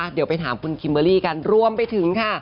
เดี๋ยวไปถามคุณคิมเบอร์รี่กันรวมไปถึงค่ะ